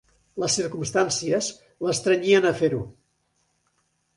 Les circumstàncies l'estrenyien a fer-ho.